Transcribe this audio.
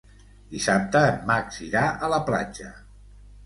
Dissabte en Max irà a la platja.